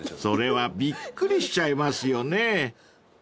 ［それはびっくりしちゃいますよね］